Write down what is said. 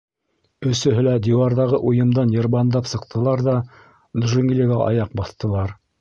Өсөһө лә диуарҙағы уйымдан йырбандап сыҡтылар ҙа джунглиға аяҡ баҫтылар.